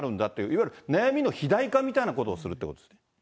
いわゆる悩みの肥大化みたいなことをするってことですか。